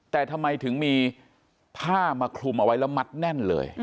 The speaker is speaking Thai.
แต่ทำไมถึงมีผ้ามาคลุมเอาไว้แล้วมัดแน่นเลย